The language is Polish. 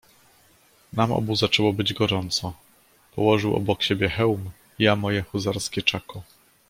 "Nam obu zaczęło być gorąco: położył obok siebie hełm, ja moje huzarskie czako."